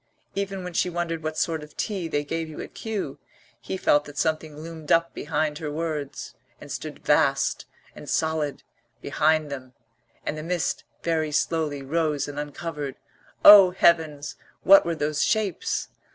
Even when she wondered what sort of tea they gave you at Kew, he felt that something loomed up behind her words, and stood vast and solid behind them; and the mist very slowly rose and uncovered O, Heavens, what were those shapes?